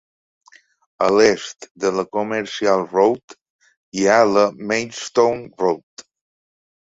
A l'est de la "Commercial Road" hi ha la "Maidstone Road".